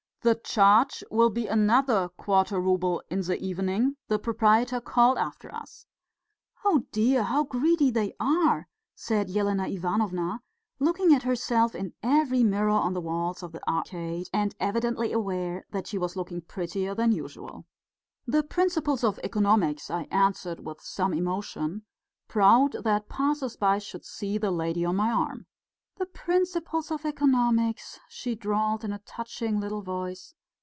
"The charge will be another quarter rouble in the evening," the proprietor called after us. "Oh, dear, how greedy they are!" said Elena Ivanovna, looking at herself in every mirror on the walls of the Arcade, and evidently aware that she was looking prettier than usual. "The principles of economics," I answered with some emotion, proud that passers by should see the lady on my arm. "The principles of economics," she drawled in a touching little voice.